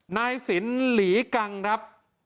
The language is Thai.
นายสินหลีกังครับ